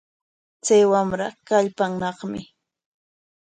Chay wamra kallpaanaqmi.